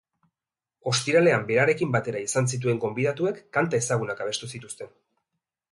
Ostiralean berarekin batera izan zituen gonbidatuek kanta ezagunak abestu zituzten.